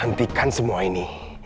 hentikan semua ini